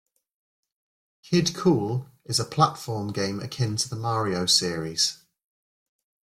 "Kid Kool" is a platform game akin to the Mario series.